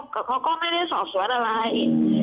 แต่เขาก็ไม่ได้สอบสวนอะไร